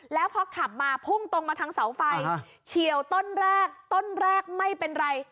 แล้วพอขับมาพุ่งตรงมาทางเสาไฟเฉียวต้นแรกต้นแรกไม่เป็นไร